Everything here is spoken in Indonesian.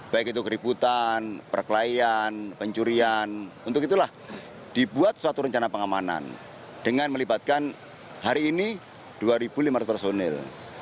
baik itu keributan perkelahian pencurian untuk itulah dibuat suatu rencana pengamanan dengan melibatkan hari ini dua lima ratus personil